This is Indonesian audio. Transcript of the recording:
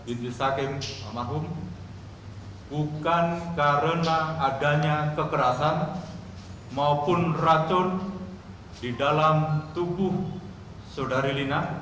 idris hakim almarhum bukan karena adanya kekerasan maupun racun di dalam tubuh saudari lina